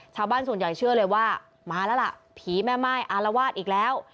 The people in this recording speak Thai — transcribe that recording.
ชาวบ้านส่วนใหญ่เชื่อเลยว่ามาแล้วล่ะผีแม่ม่ายอารวาสอีกแล้ว